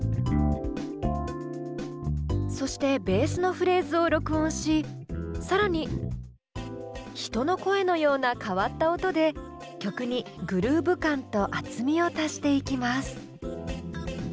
そしてベースのフレーズを録音し更に人の声のような変わった音で曲にグルーヴ感と厚みを足していきます。